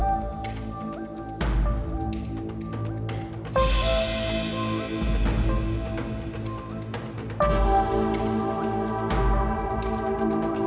kakak juga minta maaf ya